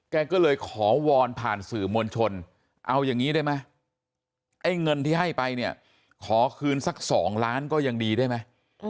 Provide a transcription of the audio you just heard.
แกก็เลยขอวอนผ่านสื่อมวลชนเอาอย่างนี้ได้ไหมไอ้เงินที่ให้ไปเนี่ยขอคืนสัก๒ล้านก็ยังดีได้ไหม